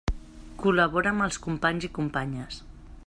Col·labora amb els companys i companyes.